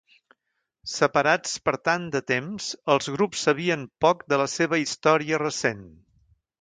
Separats per tant de temps, els grups sabien poc de la seva història recent.